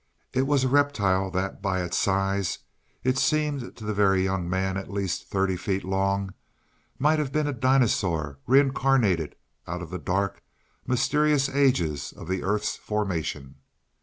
It was a reptile that by its size it seemed to the Very Young Man at least thirty feet long might have been a dinosaur reincarnated out of the dark, mysterious ages of the earth's formation.